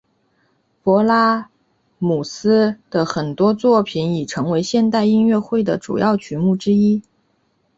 勃拉姆斯的很多作品已成为现代音乐会的主要曲目之一。